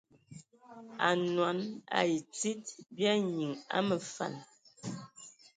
Anɔn ai tsid bya nyiŋ a məfan.